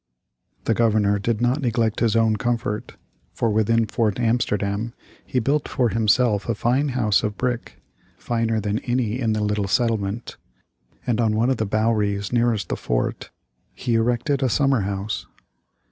The Governor did not neglect his own comfort, for within Fort Amsterdam he built for himself a fine house of brick finer than any in the little settlement and on one of the bouweries nearest the fort, he erected a summer house.